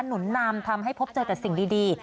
นุนนำทำให้พบเจอแต่สิ่งดี